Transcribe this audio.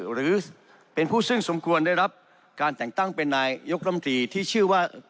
หรือเป็นผู้ซึ่งสมควรได้รับการแต่งตั้งเป็นนายยกรมตรีที่ชื่อว่า